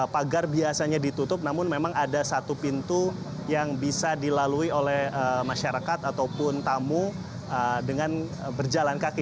pagar biasanya ditutup namun memang ada satu pintu yang bisa dilalui oleh masyarakat ataupun tamu dengan berjalan kaki